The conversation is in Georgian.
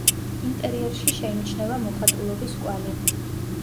ინტერიერში შეიმჩნევა მოხატულობის კვალი.